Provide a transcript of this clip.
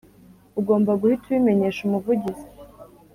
ugomba guhita ubimenyesha Umuvugizi